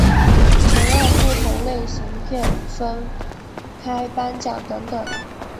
曾按不同类型片分开颁奖等等。